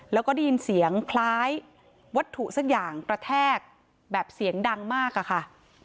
แล้วก็ได้ยินเสียงคล้ายวัตถุสักอย่างกระแทกแบบเสียงดังมากอะค่ะ